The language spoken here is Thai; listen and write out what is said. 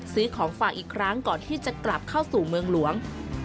ซื้อของฝากอีกครั้งก่อนที่จะกลับเข้าสู่เมืองหลวง